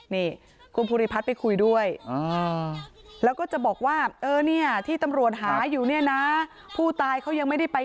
นี่กุมภูริพัฒน์ไปคุยด้วย